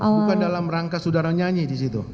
bukan dalam rangka saudara nyanyi disitu